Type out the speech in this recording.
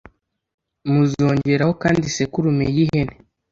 muzongeraho kandi isekurume y’ihene